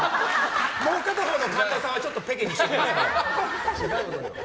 もう片方の神田さんはペケにしてください。